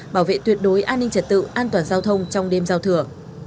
bảo vệ tuyệt đối an ninh trật tự an toàn giao thông trong đêm giao thừa